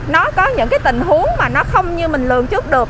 nó có những cái tình huống mà nó không như mình lường trước được